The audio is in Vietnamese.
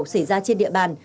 xảy ra trên địa bàn